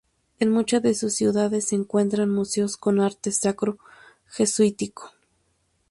En muchas de sus ciudades se encuentran museos con arte sacro jesuítico.